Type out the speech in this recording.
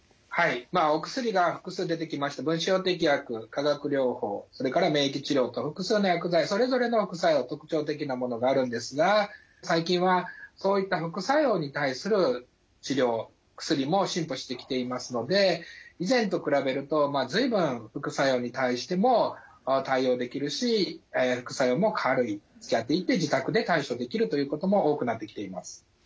化学療法それから免疫治療と複数の薬剤それぞれの副作用特徴的なものがあるんですが最近はそういった副作用に対する治療薬も進歩してきていますので以前と比べると随分副作用に対しても対応できるし副作用も軽い自宅で対処できるということも多くなってきています。